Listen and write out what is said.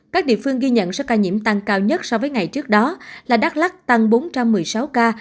các địa phương ghi nhận số ca nhiễm tăng cao nhất so với ngày trước đó là đắk lắc tăng bốn trăm một mươi sáu ca